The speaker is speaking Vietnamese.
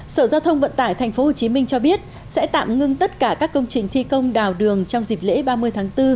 sở giao thông vận tải tp hcm cho biết sẽ tạm ngưng tất cả các công trình thi công đào đường trong dịp lễ ba mươi tháng bốn